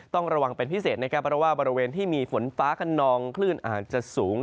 ต้องระวังเป็นพิเศษนะครับเพราะว่าบริเวณที่มีฝนฟ้าขนองคลื่นอาจจะสูง